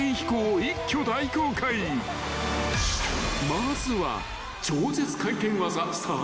［まずは］